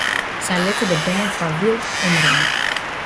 Sy litte de bern foar wyld omrinne.